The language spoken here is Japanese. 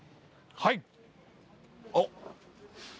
はい。